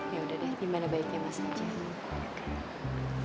ya udah dimana baiknya mas aja